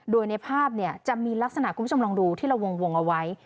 โดยในภาพจะมีลักษณะคุณผู้ชมลองดูที่เราวงเอาไว้